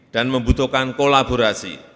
dan membutuhkan kolaborasi